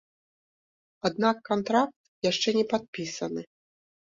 Аднак кантракт яшчэ не падпісаны.